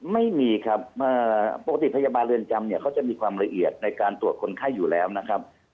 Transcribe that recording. ไม่มีครับปกติพยาบาลเรือนจำเนี่ยเขาจะมีความละเอียดในการตรวจคนไข้อยู่แล้วนะครับ